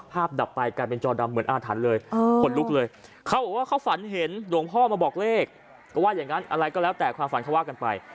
ดับไปกลายเป็นจอดำเหมือนอาถรรพ์เลยขนลุกเลยเขาบอกว่าเขาฝันเห็นหลวงพ่อมาบอกเลขก็ว่าอย่างนั้นอะไรก็แล้วแต่ความฝันเขาว่ากันไป